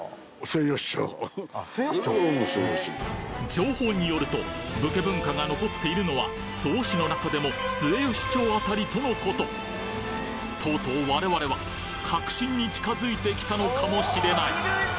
情報によると武家文化が残っているのは曽於市の中でも末吉町辺りとのこととうとう我々は確信に近づいてきたのかもしれない